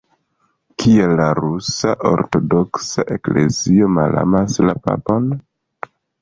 Kial la rusa ortodoksa eklezio malamas la papon?